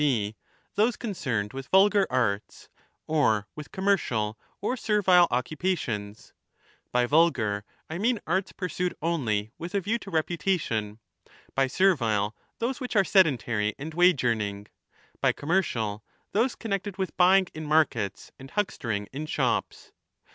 g. those concerned with vulgar arts, or with commercial or servile occupations — by vulgar I mean arts pursued only with a view to reputa 30 tion, by servile those which are sedentary and wage earning, by commercial those connected with buying in markets ^ and huckstering in shops.